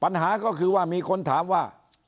ปัญหาก็คือว่ามีคนถามว่า